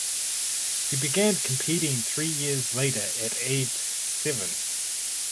He began competing three years later at age seven.